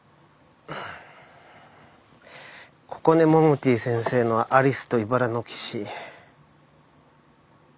ここねモモティ先生の「アリスといばらの騎士」。